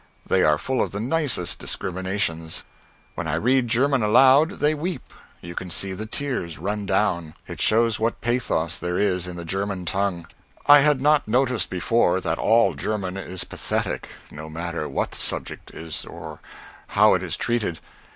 They are full of the nicest discriminations. When I read German aloud they weep; you can see the tears run down. It shows what pathos there is in the German tongue. I had not noticed before that all German is pathetic, no matter what the subject is nor how it is treated.